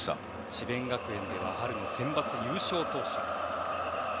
智弁学園では春のセンバツ優勝投手。